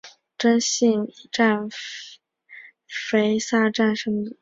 真幸站肥萨线上的车站。